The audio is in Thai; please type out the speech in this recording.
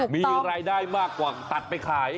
มีรายได้มากกว่าตัดไปขาย